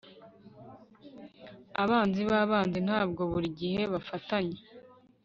Abanzi babanzi ntabwo buri gihe bafatanya